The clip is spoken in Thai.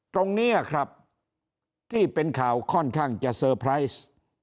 ตรงนี้ครับที่เป็นข่าวค่อนข้างจะเซอร์ไพรส์